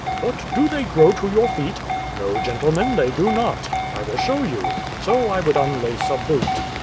' But, do they grow to your feet ?'' No, gentlemen, they do not ; I will show you.' So I would unlace a boot.